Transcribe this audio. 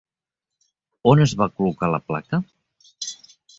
On es va col·locar la placa?